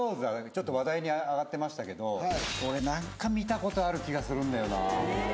ちょっと話題に上がってましたけど俺何か見たことある気がするんだよな